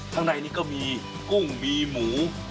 ข้างในนี้ก็มีกุ้งมีหมู